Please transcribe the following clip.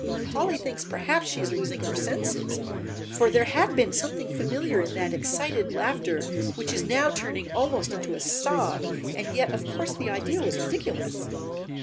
Polly thinks perhaps she is losing her senses, for there had been something familiar in that excited laughter which is now turning almost into a sob, and yet of course the idea was ridiculous.